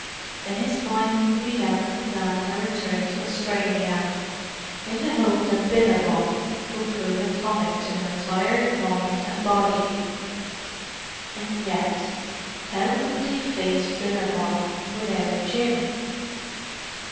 In his mind he began to plan their return to Australia, in the hope that Billabong would prove a tonic to her tired mind and body. And yet—how could they face Billabong, without Jim?